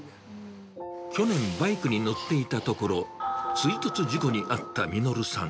去年、バイクに乗っていたところ、追突事故に遭った實さん。